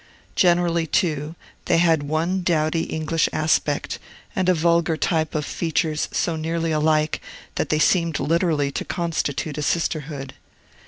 Generally, too, they had one dowdy English aspect, and a vulgar type of features so nearly alike that they seemed literally to constitute a sisterhood.